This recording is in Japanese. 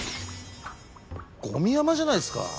ゴミ山じゃないっすか。